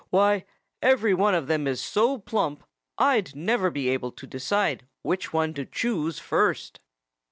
Why, every one of them is so plump I'd never be able to decide which one to choose first!"